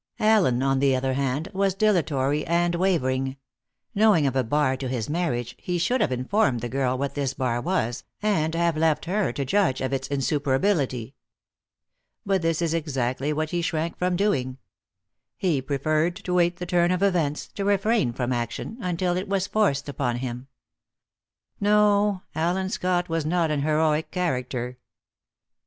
Allen, on the other hand, was dilatory and wavering. Knowing of a bar to his marriage, he should have informed the girl what this bar was, and have left her to judge of its insuperability. But this is exactly what he shrank from doing. He preferred to wait the turn of events, to refrain from action, until it was forced upon him. No; Allen Scott was not an heroic character.